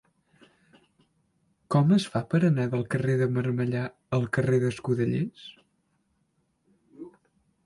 Com es fa per anar del carrer de Marmellà al carrer d'Escudellers?